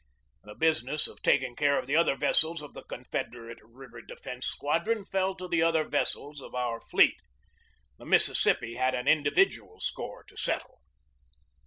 The business of taking care of the other vessels of the Confederate River Defence Squadron fell to the other vessels of our fleet. The Mississippi had an individual score to settle.